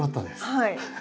はい。